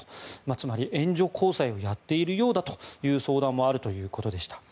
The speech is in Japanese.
つまり援助交際をやっているようだという相談もあるということでした。